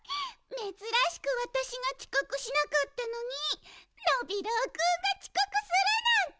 めずらしくわたしがちこくしなかったのにノビローくんがちこくするなんて。